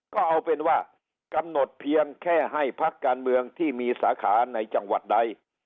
ก็เอาเป็นว่ากำหนดเพียงแค่ให้พักการเมืองที่มีสาขาในจังหวัดใด